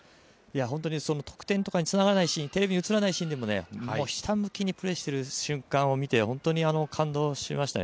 ◆本当に得点とかにつながらないシーンテレビに映らないシーンでもひたむきにプレーしている瞬間を見て本当に感動しましたね。